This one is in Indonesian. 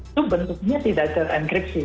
itu bentuknya tidak terenkripsi